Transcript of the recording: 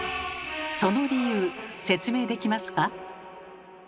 その理由説明できますか？